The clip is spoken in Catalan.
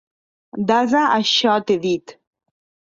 Dassa això t'he dit!